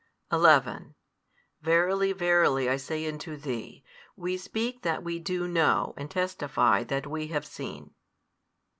|171 11 Verily, verily, I say unto thee, We speak that we do know and testify that we have seen.